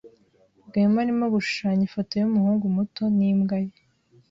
Rwema arimo gushushanya ifoto yumuhungu muto nimbwa ye.